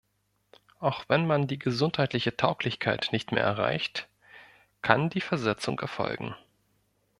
Auch wenn man die gesundheitliche Tauglichkeit nicht mehr erreicht, kann die Versetzung erfolgen.